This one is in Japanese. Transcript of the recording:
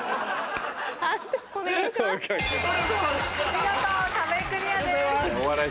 見事壁クリアです。